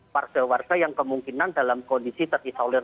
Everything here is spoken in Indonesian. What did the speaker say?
warga warga yang kemungkinan dalam kondisi terisolir